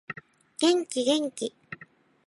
元気元気